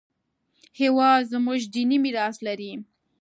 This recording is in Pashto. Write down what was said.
هېواد زموږ دیني میراث لري